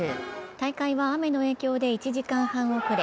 大会は雨の影響で１時間半遅れ。